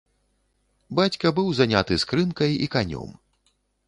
Бацька быў заняты скрынкай і канём.